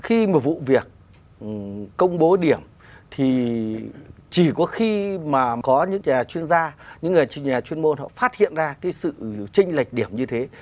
khi một vụ việc công bố điểm thì chỉ có khi mà có những nhà chuyên gia những nhà chuyên môn họ phát hiện ra sự trinh lệch điểm như thế